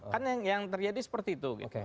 kan yang terjadi seperti itu